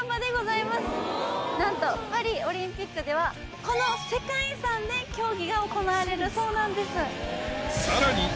なんとパリオリンピックではこの世界遺産で競技が行われるそうなんです。